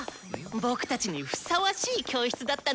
僕たちにふさわしい教室だったのでは？